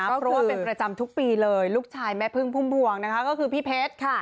ก็รู้ว่าเป็นประจำทุกปีเลยลูกชายแม่พึ่งพุ่มพวงนะคะก็คือพี่เพชรค่ะ